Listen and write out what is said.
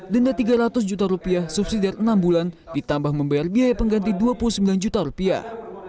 denda tiga ratus juta rupiah subsidi dari enam bulan ditambah membayar biaya pengganti dua puluh sembilan juta rupiah